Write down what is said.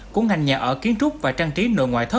của ngành nhà ở kiến trúc và trang trí nội ngoại thất